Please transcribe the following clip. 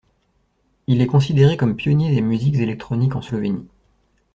Il est considéré comme pionnier des musiques électroniques en Slovénie.